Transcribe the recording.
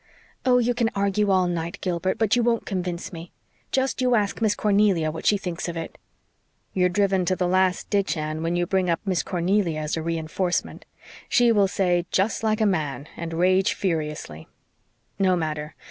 "Oh, you can argue all night, Gilbert, but you won't convince me. Just you ask Miss Cornelia what she thinks of it." "You're driven to the last ditch, Anne, when you bring up Miss Cornelia as a reinforcement. She will say, 'Just like a man,' and rage furiously. No matter.